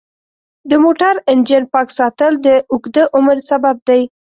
د موټر انجن پاک ساتل د اوږده عمر سبب دی.